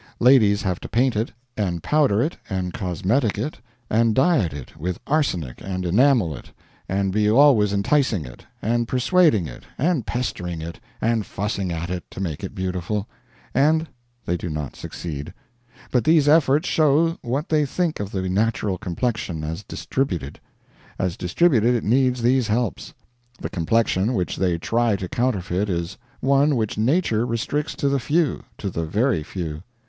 Ladies have to paint it, and powder it, and cosmetic it, and diet it with arsenic, and enamel it, and be always enticing it, and persuading it, and pestering it, and fussing at it, to make it beautiful; and they do not succeed. But these efforts show what they think of the natural complexion, as distributed. As distributed it needs these helps. The complexion which they try to counterfeit is one which nature restricts to the few to the very few.